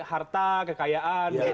harta kekayaan bagaimana